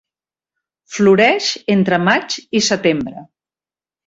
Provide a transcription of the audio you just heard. Floreix entre maig i setembre.